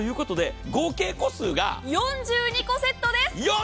合計個数が４２個セットです。